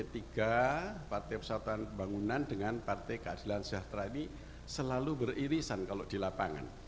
pks dengan pks ini selalu beririsan kalau dilapangan